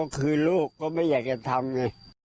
คือลูกก็ไม่อยากจะทำไง